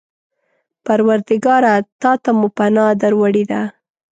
پروردګاره! تا ته مو پناه در وړې ده.